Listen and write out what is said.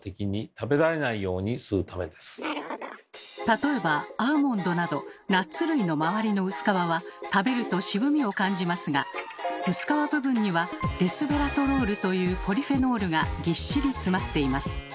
例えばアーモンドなどナッツ類の周りの薄皮は食べると渋味を感じますが薄皮部分には「レスベラトロール」というポリフェノールがぎっしり詰まっています。